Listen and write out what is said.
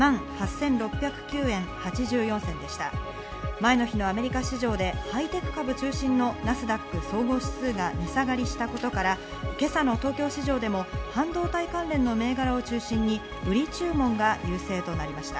前の日のアメリカ市場でハイテク株中心のナスダック総合指数が値下がりしたことから、今朝の東京市場でも半導体関連の銘柄を中心に売り注文が優勢となりました。